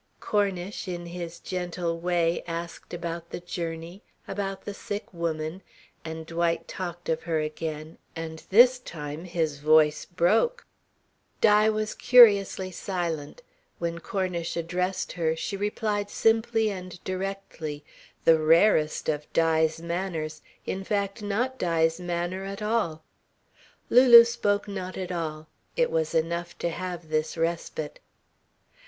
Cornish, in his gentle way, asked about the journey, about the sick woman and Dwight talked of her again, and this time his voice broke. Di was curiously silent. When Cornish addressed her, she replied simply and directly the rarest of Di's manners, in fact not Di's manner at all. Lulu spoke not at all it was enough to have this respite.